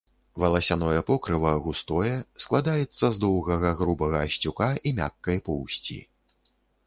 Валасяное покрыва густое, складаецца з доўгага грубага асцюка і мяккай поўсці.